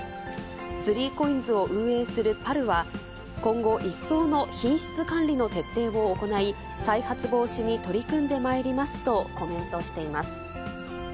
３ＣＯＩＮＳを運営するパルは、今後一層の品質管理の徹底を行い、再発防止に取り組んでまいりますとコメントしています。